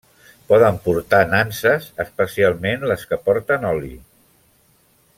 Poden portar nanses, especialment les que porten oli.